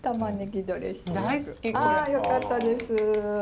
あよかったです。